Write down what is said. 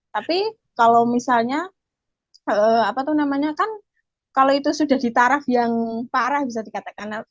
tapi kalau misalnya apa tuh namanya kan kalau itu sudah ditaraf yang parah bisa dikatakan